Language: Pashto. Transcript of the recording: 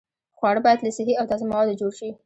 خواړه باید له صحي او تازه موادو جوړ شي.